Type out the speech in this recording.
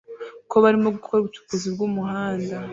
ko barimo gukora ubucukuzi bwumuhanda